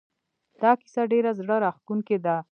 دا کیسه ډېره زړه راښکونکې ده